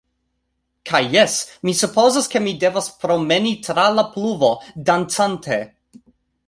Kaj, jes mi supozas, ke mi devas promeni tra la pluvo, dancante.